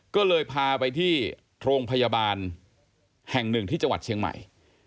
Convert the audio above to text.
ก็เลยพาไปที่โรงพยาบาลแห่งหนึ่งที่จังหวัดเชียงใหม่